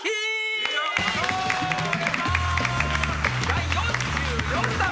第４４弾。